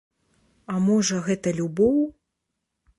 А можа, гэта любоў?